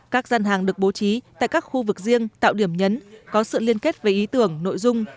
các dân hàng được bố trí tại các khu vực riêng tạo điểm nhấn có sự liên kết với ý tưởng nội dung